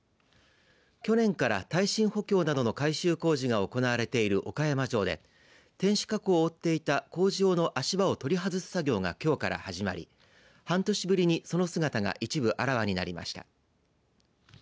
去年から、耐震補強などの改修工事が行われている岡山城で天守閣を覆っていた工事用の足場を取り外す作業がきょうから始まり半年ぶりにその姿が一部あらわになりました。